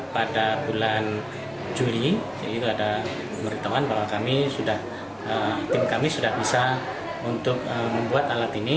pada bulan juli kami sudah bisa membuat alat ini